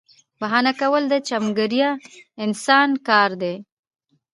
بهانه کول د چمګیره انسان کار دی